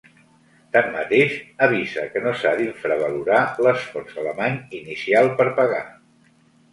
Tanmateix, avisa que no s'ha d'infravalorar l'esforç alemany inicial per pagar.